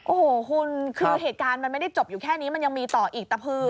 โอ้โหคุณคือเหตุการณ์มันไม่ได้จบอยู่แค่นี้มันยังมีต่ออีกตะพือ